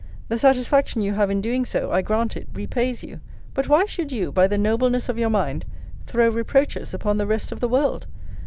The satisfaction you have in doing so, I grant it, repays you. But why should you, by the nobleness of your mind, throw reproaches upon the rest of the world?